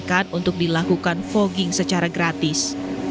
mereka juga berharga untuk dilakukan fogging secara gratis